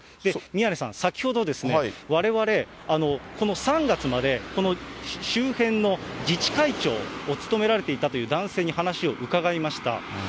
宮根さん、先ほど、われわれ、この３月まで、この周辺の自治会長を務められていたという男性に話を伺いました。